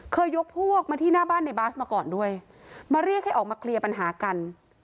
ยกพวกมาที่หน้าบ้านในบาสมาก่อนด้วยมาเรียกให้ออกมาเคลียร์ปัญหากัน